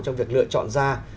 trong việc lựa chọn ra